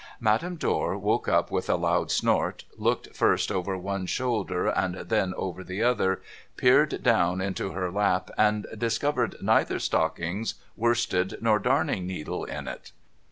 Madame Dor woke up with a loud snort, looked first over one shoulder and then over the other, peered down into her lap, and discovered neither stockings, worsted, nor darning needle in it.